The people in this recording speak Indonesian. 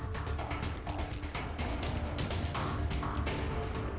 dalam sekali melahirkan babi kutil bawean bisa menghasilkan tiga hingga empat anak